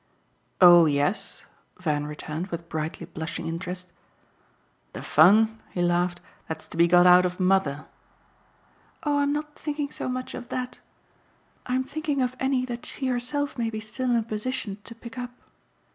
"Oh yes," Van returned with brightly blushing interest. "The fun," he laughed, "that's to be got out of 'mother'!" "Oh I'm not thinking so much of that. I'm thinking of any that she herself may be still in a position to pick up.